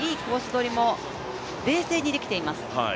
取りも冷静にできています。